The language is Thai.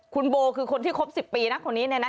คุณโบคือคนที่คบ๑๐ปีนะคนนี้เนี่ยนะ